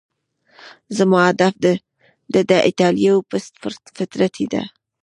زما هدف د ده ایټالوي پست فطرتي ده.